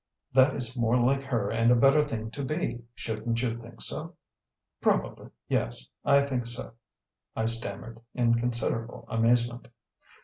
That is more like her and a better thing to be, shouldn't you think so?" "Probably yes I think so," I stammered, in considerable amazement.